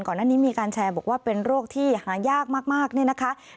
ก่อนหน้านี้มีการแชร์บอกว่าเป็นโรคที่หายากมากเนี่ยนะคะ